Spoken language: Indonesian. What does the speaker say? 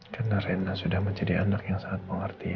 karena rena sudah menjadi anak yang sangat pengertian